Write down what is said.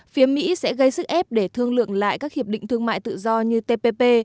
phía mỹ sẽ gây sức ép để thương lượng lại các hiệp định thương mại tự do như tpp